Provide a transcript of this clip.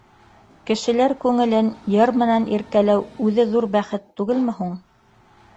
Кешеләр күңелен йыр менән иркәләү үҙе ҙур бәхет түгелме һуң?